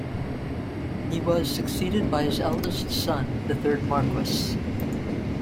He was succeeded by his eldest son, the third Marquess.